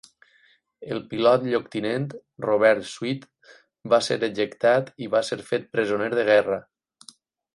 El pilot lloctinent Robert Sweet va ser ejectat i va ser fet presoner de guerra.